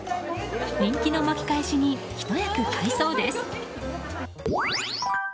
人気の巻き返しにひと役買いそうです。